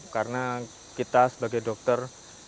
karena kita sebagai dokter